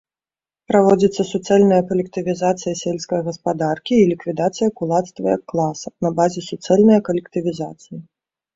Праводзіцца суцэльная калектывізацыя сельскае гаспадаркі і ліквідацыя кулацтва як класа, на базе суцэльнае калектывізацыі.